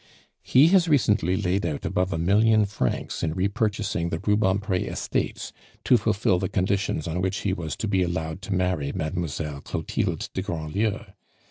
"He has recently laid out above a million francs in repurchasing the Rubempre estates to fulfil the conditions on which he was to be allowed to marry Mademoiselle Clotilde de Grandlieu.